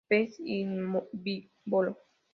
Pez omnívoro.